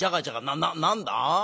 なな何だ？